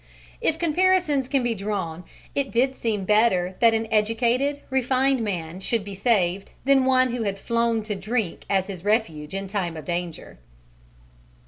If comparisons can be drawn, it did seem better that an educated, refined man should be saved than one who had flown to drink as his refuge in time of danger.